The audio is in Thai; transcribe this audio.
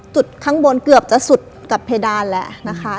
ข้างบนเกือบจะสุดกับเพดานแล้วนะคะ